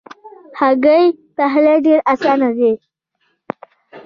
هګۍ پخلی ډېر آسانه دی.